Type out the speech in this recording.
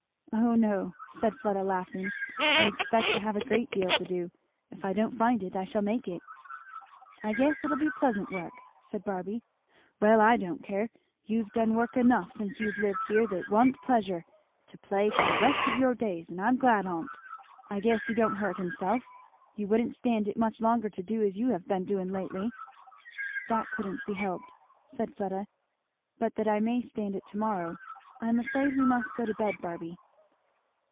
"O no," said Fleda laughing, "I expect to have a great deal to do; if I don't find it, I shall make it." "I guess it'll be pleasant work," said Barby. "Well, I don't care! you've done work enough since you've lived here that wa'n't pleasant, to play for the rest of your days; and I'm glad on't. I guess he don't hurt himself. You wouldn't stand it much longer to do as you have been doing lately." "That couldn't be helped," said Fleda; "but that I may stand it to morrow I am afraid we must go to bed, Barby."